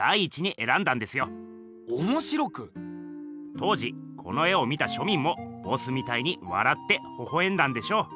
当時この絵を見た庶民もボスみたいにわらってほほえんだんでしょう。